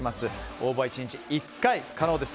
応募は１日１回可能です。